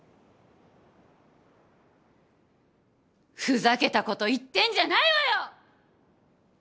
ふざけたこと言ってんじゃないわよ！